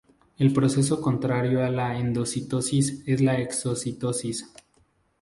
El proceso contrario a la endocitosis es la exocitosis.